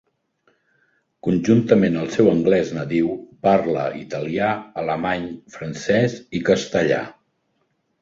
Conjuntament al seu anglès nadiu, parla italià, alemany, francès i castellà.